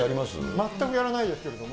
全くやらないですけれども。